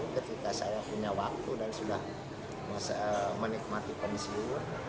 oleh karena itu ketika saya punya waktu dan sudah menikmati pensiun